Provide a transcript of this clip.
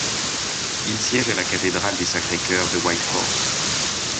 Il siège à la cathédrale du Sacré-Cœur de Whitehorse.